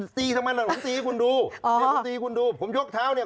ตีทำไมล่ะผมตีคุณดูอ๋อผมตีคุณดูผมยกเท้าเนี้ย